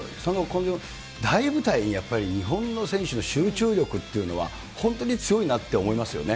大舞台に日本の選手の集中力っていうのは、本当に強いなって思いますよね。